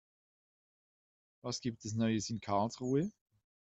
Was gibt es Neues in Karlsruhe?